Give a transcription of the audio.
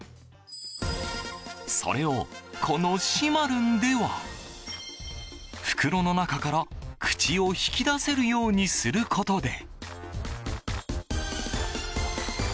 それを、このしまるんでは袋の中から、口を引き出せるようにすることで。